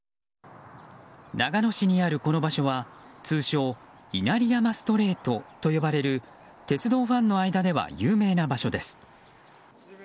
長野市にあるこの場所は通称稲荷山ストレートと呼ばれる鉄道ファンの間では有名な場所です。